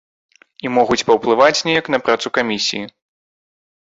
І могуць паўплываць неяк на працу камісіі.